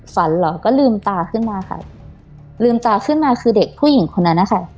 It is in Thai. เหรอก็ลืมตาขึ้นมาค่ะลืมตาขึ้นมาคือเด็กผู้หญิงคนนั้นนะคะ